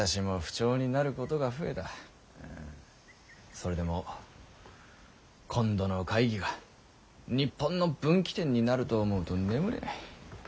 それでも今度の会議が日本の分岐点になると思うと眠れない。